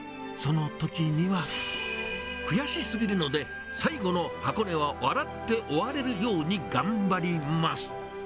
そのときには、悔しすぎるので、最後の箱根は笑って終われるように頑張ります！